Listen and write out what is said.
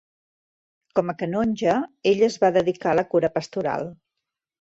Com a canonge, ell es va dedicar a la cura pastoral.